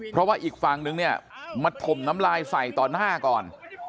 เพราะว่าอีกฝั่งนึงเนี่ยมาถมน้ำลายใส่ต่อหน้าก่อน